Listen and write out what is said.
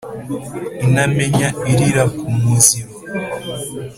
intamenya irira ku muziro